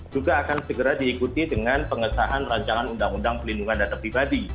juga akan segera diikuti dengan pengesahan rancangan undang undang pelindungan data pribadi